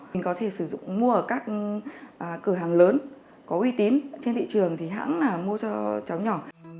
mình có thể sử dụng mua ở các cửa hàng lớn có uy tín trên thị trường thì hãng mua cho cháu nhỏ